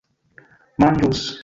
manĝus